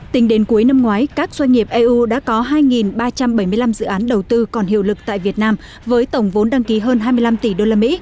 tính đến cuối năm ngoái các doanh nghiệp eu đã có hai ba trăm bảy mươi năm dự án đầu tư còn hiệu lực tại việt nam với tổng vốn đăng ký hơn hai mươi năm tỷ usd